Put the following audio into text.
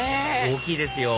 大きいですよ